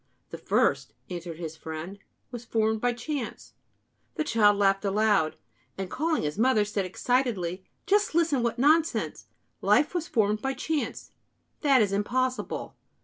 "The first," answered his friend, "was formed by chance." The child laughed aloud, and, calling his mother, said excitedly: "Just listen; what nonsense! Life was formed by chance! That is impossible."